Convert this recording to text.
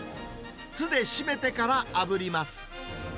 酢でしめてからあぶります。